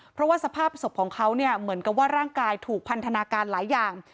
เพราะว่าสภาพศพของเขาเนี่ยเหมือนกับว่าร่างกายถูกพันธนาการหลายอย่าง